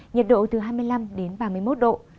nhiệt độ từ hai mươi năm đến ba mươi một độ